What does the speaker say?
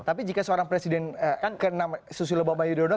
tapi jika seorang presiden susilo bapak yudhoyono